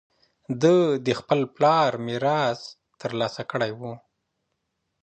ده د خپل پلار میراث ترلاسه کړی و